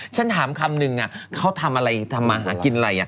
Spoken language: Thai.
ฉันถามคำนึงเขาทำอะไรทำมาหากินอะไร